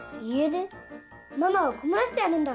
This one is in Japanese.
ママを困らせてやるんだ。